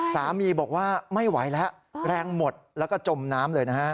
สามีบอกว่าไม่ไหวแล้วแรงหมดแล้วก็จมน้ำเลยนะฮะ